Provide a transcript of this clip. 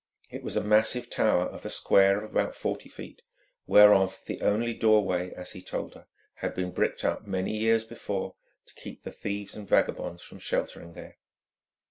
It was a massive tower of a square of about forty feet, whereof the only doorway, as he told her, had been bricked up many years before to keep the thieves and vagabonds from sheltering there.